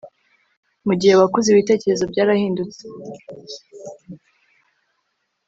mugihe wakuze, ibitekerezo byarahindutse